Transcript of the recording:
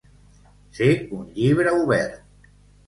Ser un llibre obert.